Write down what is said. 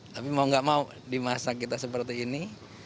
tapi mau gak mau di masa kita seperti ini